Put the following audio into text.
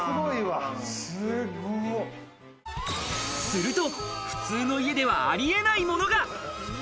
すると、普通の家ではありえないものが！